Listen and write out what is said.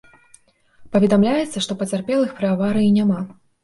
Паведамляецца, што пацярпелых пры аварыі няма.